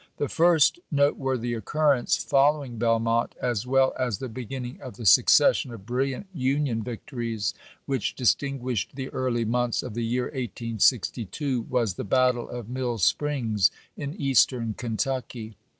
The first noteworthy occurrence following Belmont, as well as the beginning of the succession of bril liant Union victories which distinguished the early months of the year 1862, was the battle of Mill Springs in Eastern Kentucky.